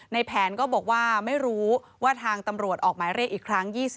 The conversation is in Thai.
ในแผนก็บอกว่าไม่รู้ว่าทางตำรวจออกหมายเรียกอีกครั้ง